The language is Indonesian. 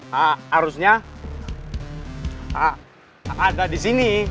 harusnya ada di sini